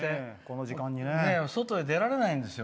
外に出られないんですよ。